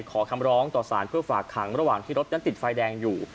ขอคำร้องต่อสารเพื่อฝากขังระหว่างที่รถนั้นติดไฟแดงอยู่